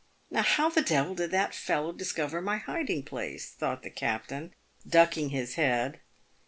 Now, how the devil did that fellow discover my hiding place ?" thought the captain, ducking his head.